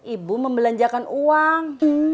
ibu membelanjakan uang